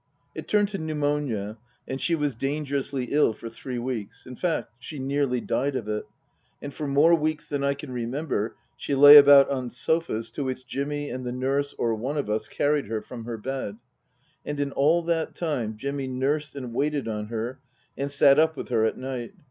It turned to pneumonia and she was dangerously ill for three weeks, in fact, she nearly died of it ; and for more weeks than I can remember she lay about on sofas to which Jimmy and the nurse or one of us carried her from her bed. And in all that time Jimmy nursed and waited on her and sat up with her at night.